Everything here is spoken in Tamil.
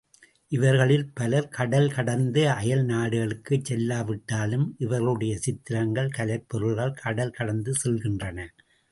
இவர்களில் பலர் கடல் கடந்து அயல் நாடுகளுக்குச் செல்லாவிட்டாலும், இவர்களுடைய சித்திரங்கள் கலைப்பொருள்கள் கடல் கடந்து செல்கின்றன.